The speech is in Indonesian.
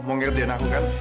mau ngertian aku kan